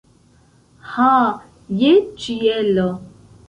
Ha, je ĉielo!